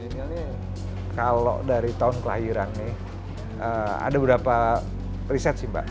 ini kalau dari tahun kelahiran nih ada beberapa riset sih mbak